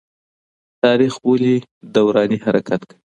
تاريخ ولي دوراني حرکت کوي؟